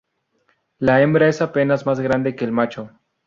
La hembra es apenas más grande que el macho.